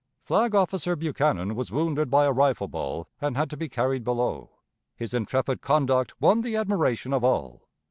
Flag officer Buchanan was wounded by a rifle ball, and had to be carried below. His intrepid conduct won the admiration of all.